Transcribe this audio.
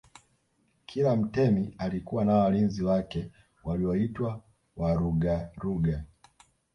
Kila mtemi alikuwa na walinzi wake walioitwa Warugaruga